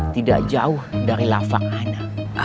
tidak jauh dari lafak anak